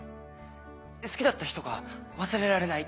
「好きだった人が忘れられない」。